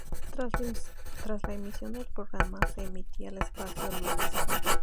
Tras la emisión del programa, se emitía el espacio "Loops!